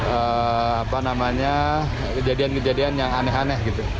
apa namanya kejadian kejadian yang aneh aneh gitu